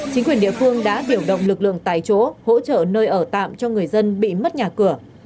chính quyền địa phương đã điều động lực lượng tại chỗ hỗ trợ nơi ở tạm cho người dân bị mất nhà cửa